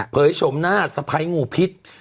เผยโฉมหน้าสะพัยงูพิษ